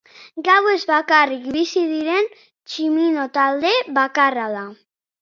Gauez bakarrik bizi diren tximino talde bakarra da.